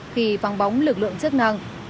khi vắng bóng lực lượng chất năng